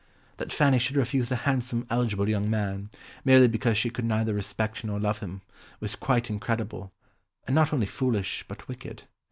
That Fanny should refuse a handsome eligible young man, merely because she could neither respect nor love him, was quite incredible, and not only foolish but wicked.